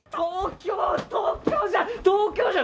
東京じゃ！